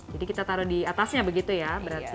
jadi kita taruh di atasnya begitu ya berarti